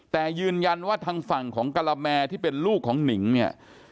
แต่ยืนยันว่าทางฝั่งของกะละแมที่เป็นลูกของหนิงเนี่ย